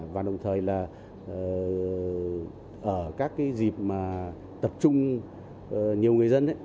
và đồng thời là ở các cái dịp mà tập trung nhiều người dân